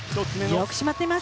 よく締まっています。